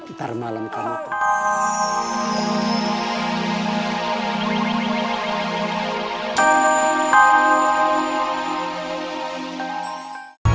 ntar malam kamu tuh